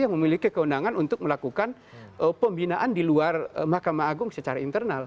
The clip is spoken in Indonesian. yang memiliki kewenangan untuk melakukan pembinaan di luar mahkamah agung secara internal